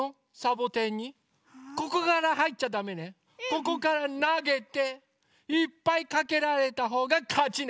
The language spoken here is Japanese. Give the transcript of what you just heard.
ここからなげていっぱいかけられたほうがかちね。